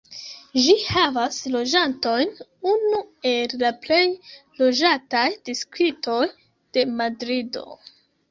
Ĝi havas loĝantojn, unu el la plej loĝataj distriktoj de Madrido.